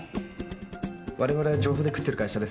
我々は情報で食ってる会社ですからね。